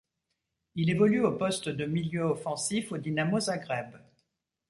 Il évolue au poste de milieu offensif au Dinamo Zagreb.